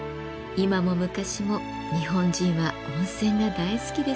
今も昔も日本人は温泉が大好きですよね。